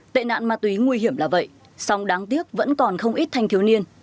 tệ nạn ma túy nguy hiểm là vậy song đáng tiếc vẫn còn không ít thanh thiếu niên